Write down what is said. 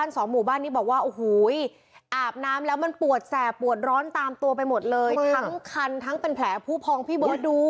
สดชื่นสบายใช่ไหมครับ